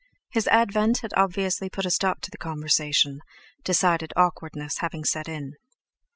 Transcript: His advent had obviously put a stop to the conversation, decided awkwardness having set in.